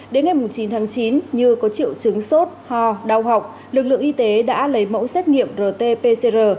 đến ngày chín tháng chín như có triệu chứng sốt ho đau học lực lượng y tế đã lấy mẫu xét nghiệm rt pcr